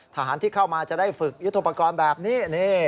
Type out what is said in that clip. ทหารที่เข้ามาจะได้ฝึกยุทธปกรณ์แบบนี้